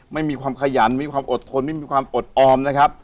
ไม่มีความขยันมีความอดทนไม่มีความอดออมนะครับ